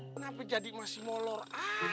kenapa jadi masih molor aja di orang